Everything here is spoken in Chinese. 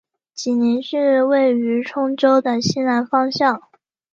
济宁市位于兖州的西南方向。